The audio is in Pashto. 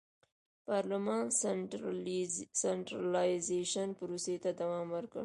پارلمان سنټرالیزېشن پروسې ته دوام ورکړ.